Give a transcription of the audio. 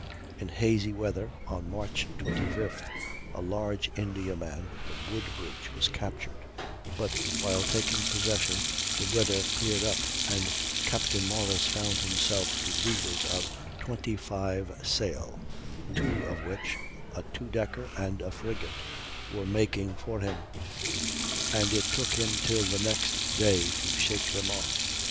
In hazy weather, on March 25th, a large Indiaman (the Woodbridge) was captured; but while taking possession the weather cleared up, and Capt. Morris found himself to leeward of 25 sail, two of which, a two decker and a frigate, were making for him, and it took him till the next day to shake them off.